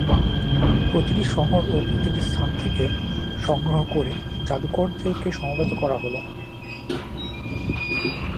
প্রতিটি শহর ও প্রতিটি স্থান থেকে সংগ্রহ করে জাদুকরদেরকে সমবেত করা হল।